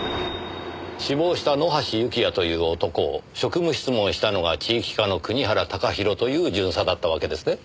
死亡した野橋幸也という男を職務質問したのが地域課の国原貴弘という巡査だったわけですね。